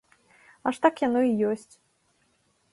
Аж так яно і ёсць.